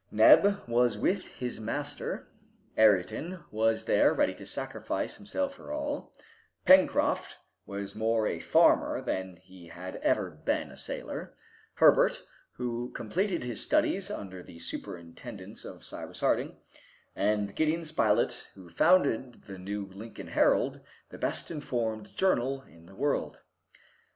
Neb was with his master; Ayrton was there ready to sacrifice himself for all; Pencroft was more a farmer than he had ever been a sailor; Herbert, who completed his studies under the superintendence of Cyrus Harding, and Gideon Spilett, who founded the New Lincoln Herald, the best informed journal in the world.